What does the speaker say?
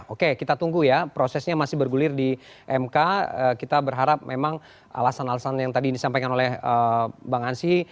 oke kita tunggu ya prosesnya masih bergulir di mk kita berharap memang alasan alasan yang tadi disampaikan oleh bang ansyi